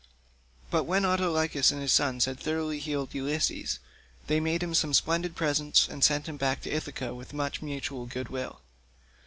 But when Autolycus and his sons had thoroughly healed Ulysses, they made him some splendid presents, and sent him back to Ithaca with much mutual good will.